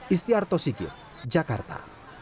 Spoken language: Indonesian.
istiarto sigit jakarta